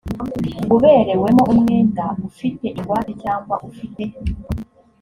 uberewemo umwenda ufite ingwate cyangwa ufite